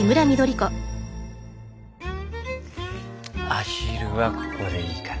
アヒルはここでいいかな。